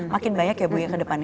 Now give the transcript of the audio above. makin banyak ya bu ya ke depannya